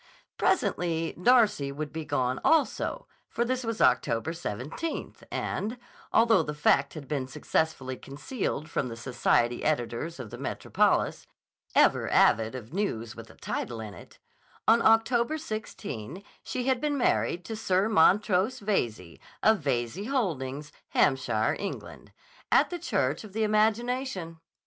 Presently Darcy would be gone also, for this was October 17, and, although the fact had been successfully concealed from the society editors of the metropolis, ever avid of news with a title in it, on October 16 she had been married to Sir Montrose Veyze, of Veyze Holdings, Hampshire, England, at the Church of the Imagination.